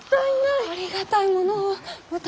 ありがたいものをうた。